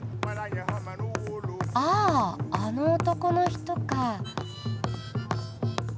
ああの男の人か。